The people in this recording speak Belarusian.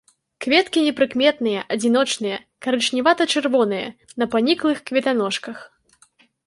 Кветкі непрыкметныя, адзіночныя, карычневата-чырвоныя, на паніклых кветаножках.